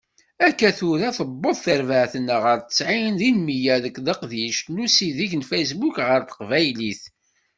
Akka tura tewweḍ terbaɛt-nneɣ ɣer tesɛin di meyya deg leqdic n usideg n Facebook ɣer teqbaylit.